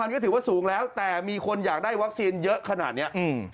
ก็ถือว่าสูงแล้วแต่มีคนอยากได้วัคซีนเยอะขนาดเนี้ยอืม